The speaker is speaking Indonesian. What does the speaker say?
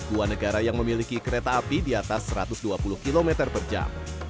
dua negara yang memiliki kereta api di atas satu ratus dua puluh km per jam